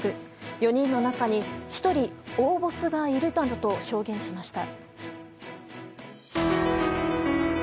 ４人の中に１人、大ボスがいるなどと証言しました。